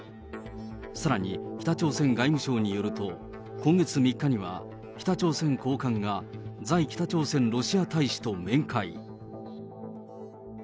さらに北朝鮮外務省によると、今月３日には、北朝鮮高官が在北朝鮮ロシア大使と面会。